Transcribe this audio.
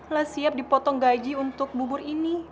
lah siap dipotong gaji untuk bubur ini